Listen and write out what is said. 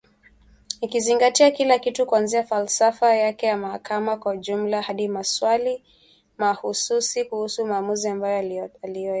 Ikizingatia kila kitu kuanzia falsafa yake ya mahakama kwa ujumla hadi maswali mahususi kuhusu maamuzi ambayo aliyoyatoa